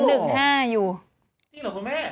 จริงหรอครับคุณแม่